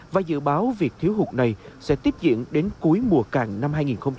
và dự báo việc thiếu hụt này sẽ tiếp diễn đến cuối mùa càng năm hai nghìn hai mươi